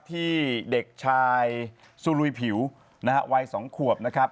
ที่เด็กชายซูลุยผิวนะฮะวัย๒ขวบนะครับ